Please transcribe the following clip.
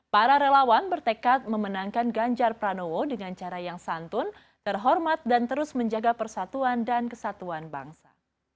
para relawan bertekad memenangkan ganjar pranowo dengan cara yang santun terhormat dan terus menjaga persatuan dan kesatuan bangsa